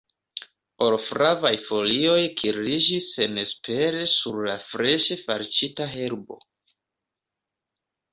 Or-flavaj folioj kirliĝis senespere sur la freŝe falĉita herbo.